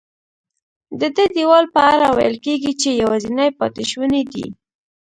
ددې دیوال په اړه ویل کېږي چې یوازینی پاتې شونی دی.